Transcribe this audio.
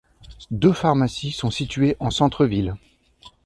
Deux pharmacies sont situées en centre-ville.